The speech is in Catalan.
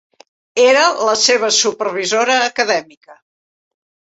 Era la seva supervisora acadèmica.